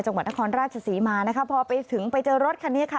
จังหวัดนครราชศรีมานะคะพอไปถึงไปเจอรถคันนี้ค่ะ